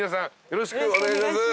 よろしくお願いします。